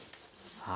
さあ